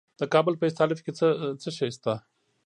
د کابل په استالف کې څه شی شته؟